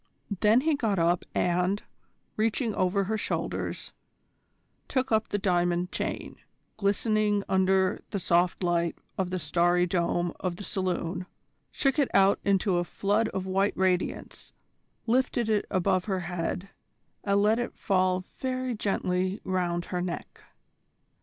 Then he got up and, reaching over her shoulders, took up the diamond chain, glistening under the soft light of the starry dome of the saloon, shook it out into a flood of white radiance, lifted it above her head, and let it fall very gently round her neck.